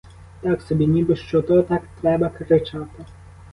Так собі, ніби що то так треба — кричати.